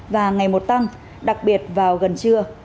và ngày một tăng đặc biệt vào gần trưa